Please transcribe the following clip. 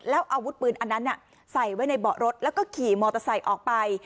แล้วอาวุธปืนอันนั้นใส่ไว้ในเบาะรถแล้วก็ขี่มอเตอร์ไซค์ออกไป